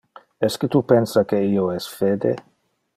Esque tu pensa que io es fede?